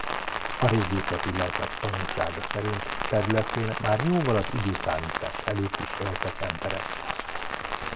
A régészeti leletek tanúsága szerint területén már jóval az időszámítás előtt is éltek emberek.